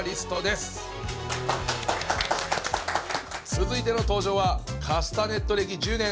続いての登場はカスタネット歴１０年